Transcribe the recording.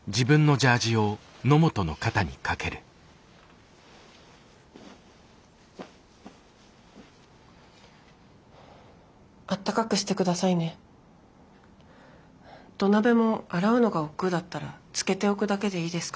土鍋も洗うのが億劫だったらつけておくだけでいいですから。